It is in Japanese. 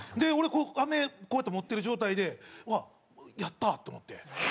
俺アメこうやって持ってる状態でうわっやった！って思って。